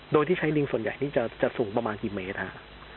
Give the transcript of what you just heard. โดยที่ใช้ลิงส่วนใหญ่นี่จะสูงประมาณกี่เมตรครับ